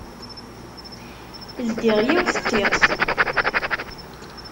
Ldiɣ yiwet n tiṭ.